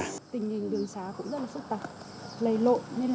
tình hình đường xá cũng rất là xúc tạp lầy lộn